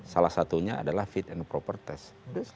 salah satunya adalah fit and proper test